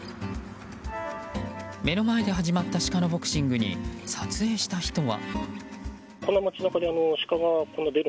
目の前で始まったシカのボクシングに撮影した人は。